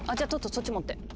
そっち持って。